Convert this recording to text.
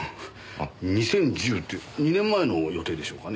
２０１０って２年前の予定でしょうかね？